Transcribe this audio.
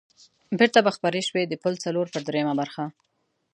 بېرته به خپرې شوې، د پل څلور پر درېمه برخه.